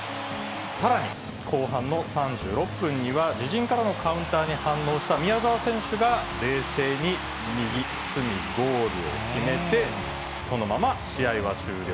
さらに後半の３６分には、自陣からのカウンターに反応した宮澤選手が、冷静に右隅ゴールを決めて、そのまま試合は終了。